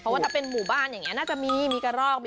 เพราะว่าถ้าเป็นหมู่บ้านอย่างนี้น่าจะมีมีกระรอก